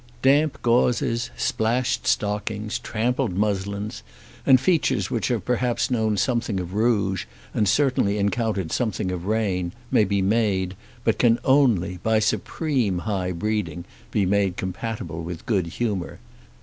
Damp gauzes, splashed stockings, trampled muslins, and features which have perhaps known something of rouge and certainly encountered something of rain may be made, but can only, by supreme high breeding, be made compatible with good humour.